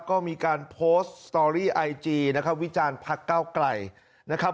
ก็มีการโพสต์สตอรี่ไอจีนะครับวิจารณ์พักเก้าไกลนะครับ